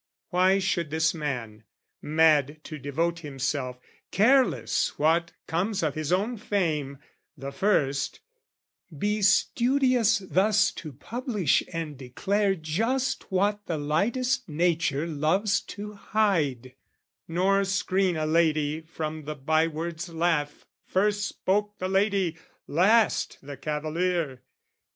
Why should this man, mad to devote himself, Careless what comes of his own fame, the first, Be studious thus to publish and declare Just what the lightest nature loves to hide, Nor screen a lady from the byword's laugh "First spoke the lady, last the cavalier!"